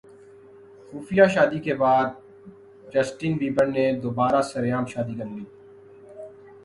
خفیہ شادی کے بعد جسٹن بیبر نے دوبارہ سرعام شادی کرلی